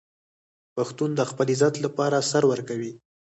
پښتون د خپل عزت لپاره سر ورکوي.